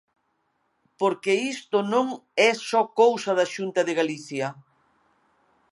Porque isto non é só cousa da Xunta de Galicia.